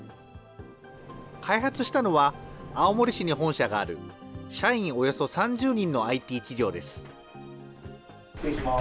開発したのは、青森市に本社がある、社員およそ３０人のＩＴ企業です。